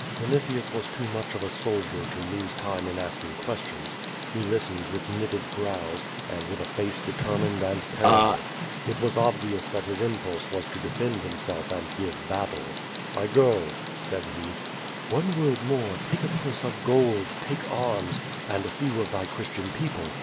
Vinitius was too much of a soldier to lose time in asking questions. He listened with knitted brows, and with a face determined and terrible. It was obvious that his impulse was to defend himself and give battle. QtJO VADt.^. 369 "I go," said he. "One word more, take a purse of gold, take arms, and a few of tliy Christian people.